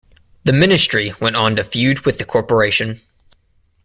The Ministry went on to feud with the Corporation.